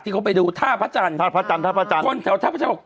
เขาไปดูท่าพระจันทร์ท่าพระจันทร์ท่าพระจันทร์คนแถวท่าพระจันทร์บอก